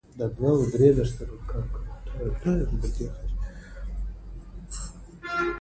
قانون د اداري پرېکړو ارزونه ممکن کوي.